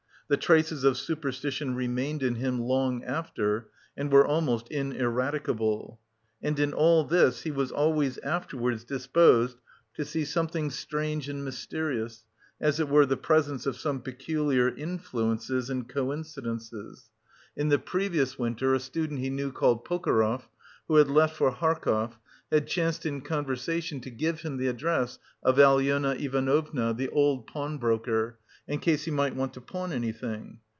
The traces of superstition remained in him long after, and were almost ineradicable. And in all this he was always afterwards disposed to see something strange and mysterious, as it were, the presence of some peculiar influences and coincidences. In the previous winter a student he knew called Pokorev, who had left for Harkov, had chanced in conversation to give him the address of Alyona Ivanovna, the old pawnbroker, in case he might want to pawn anything.